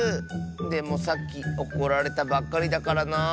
でもさっきおこられたばっかりだからなあ。